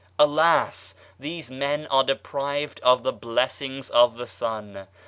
Alas I these men are deprived of the blessings of the Sun.